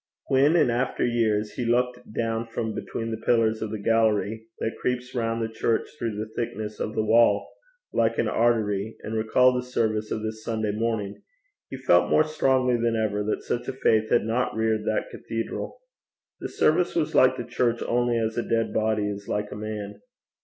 When in after years he looked down from between the pillars of the gallery, that creeps round the church through the thickness of the wall, like an artery, and recalled the service of this Sunday morning, he felt more strongly than ever that such a faith had not reared that cathedral. The service was like the church only as a dead body is like a man.